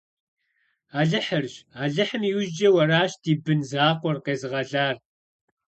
Алыхьырщ, Алыхьым иужькӏэ уэращ ди бын закъуэр къезыгъэлар!